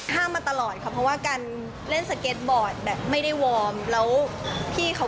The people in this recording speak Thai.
ชุดความสุขบรรยาย